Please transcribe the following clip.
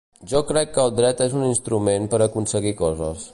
Jo crec que el dret és un instrument per a aconseguir coses.